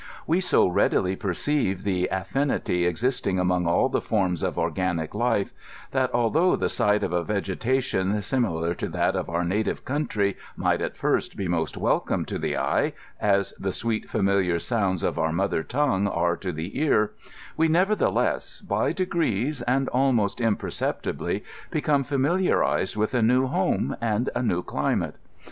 We so readily perceive the affinity existing among all the forms of organic life, that although ^e sight of a vegetation similar to that of our native country might at first be most welcome to the eye, as the sweet familiar sounds of our mother tongue are to the ear, we nev ertheless, by degrees, and almost imperceptibly, become famil iarized with a new home and a new cUmate.